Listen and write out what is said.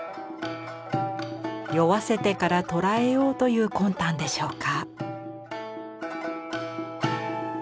酔わせてから捕らえようという魂胆でしょうか。